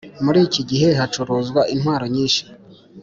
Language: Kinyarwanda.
Muri iki gihe hacuruzwa intwaro nyinshi